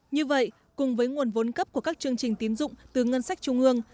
như vậy cùng với nguồn vốn cấp của các chương trình tín dụng từ ngân sách trung ương